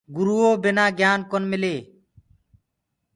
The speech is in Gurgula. گُرو بنآ گيِان ڪونآ مِلي۔